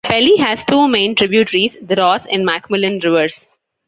The Pelly has two main tributaries, the Ross and Macmillan rivers.